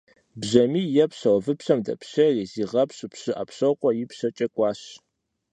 Бжьамий епщэу выпщэм дэпщейри, зигъэпщу Пщыӏэпщокъуэ ипщэкӏэ кӏуащ.